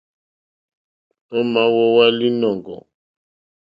Ò ma wowa linɔ̀ŋgɔ̀?